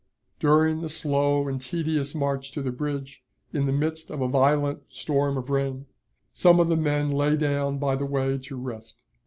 During the slow and tedious march to the bridge, in the midst of a violent storm of rain, some of the men lay down by the way to rest.